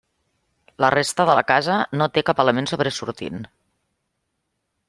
La resta de la casa no té cap element sobresortint.